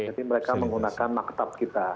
jadi mereka menggunakan maketab kita